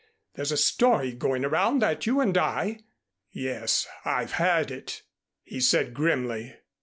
There's a story going around that you and I " "Yes, I've heard it," he said grimly.